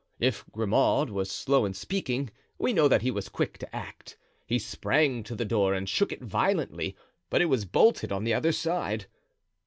If Grimaud was slow in speaking, we know that he was quick to act; he sprang to the door and shook it violently, but it was bolted on the other side.